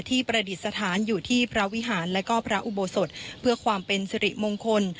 ประดิษฐานอยู่ที่พระวิหารและก็พระอุโบสถเพื่อความเป็นสิริมงคล